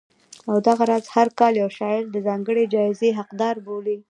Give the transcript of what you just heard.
او دغه راز هر کال یو شاعر د ځانګړې جایزې حقدار بولي